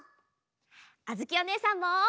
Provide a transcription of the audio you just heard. あづきおねえさんも！